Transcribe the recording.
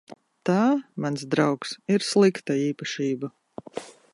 Tā, mans draugs, ir slikta īpašība.